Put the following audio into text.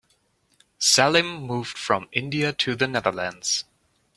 Salim moved from India to the Netherlands.